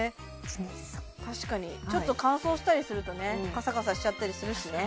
確かにちょっと乾燥したりするとねカサカサしちゃったりするしね